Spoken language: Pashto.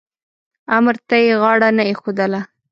امر ته یې غاړه نه ایښودله.